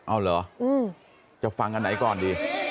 เอาเหรอจะฟังอันไหนก่อนดี